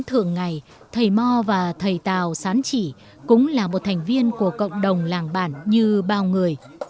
thường ngày thầy mò và thầy tào sán chỉ cũng là một thành viên của cộng đồng làng bản như bao người